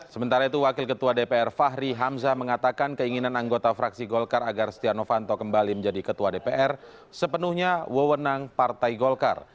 sementara itu wakil ketua dpr fahri hamzah mengatakan keinginan anggota fraksi golkar agar setia novanto kembali menjadi ketua dpr sepenuhnya wewenang partai golkar